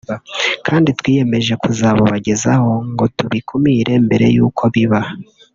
kandi twiyemeje kuzabubagezaho ngo tubikumire mbere y’uko biba